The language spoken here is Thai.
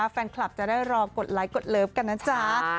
แฟนคลับจะได้รอกดไลค์กดเลิฟกันนะจ๊ะ